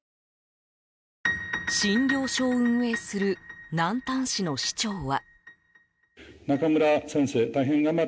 診療所を運営する南丹市の市長は。